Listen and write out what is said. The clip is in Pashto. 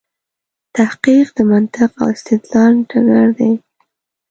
تحقیق د منطق او استدلال ډګر دی.